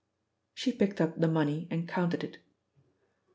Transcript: She picked up the money and counted it.